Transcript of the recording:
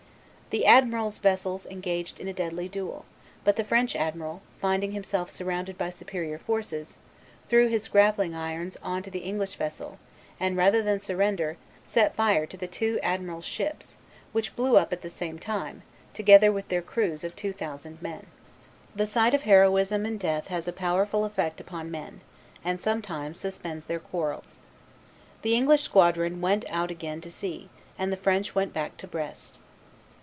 The two admirals' vessels engaged in a deadly duel; but the French admiral, finding himself surrounded by superior forces, threw his grappling irons on to the English vessel, and, rather than surrender, set fire to the two admirals' ships, which blew up at the same time, together with their crews of two thousand men. The sight of heroism and death has a powerful effect upon men, and sometimes suspends their quarrels. The English squadron went out again to sea, and the French went back to Brest.